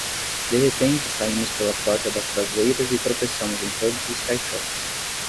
de repente saímos pela porta das traseiras e tropeçamos em todos os caixotes